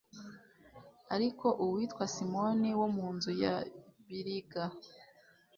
ariko uwitwa simoni wo mu nzu ya biliga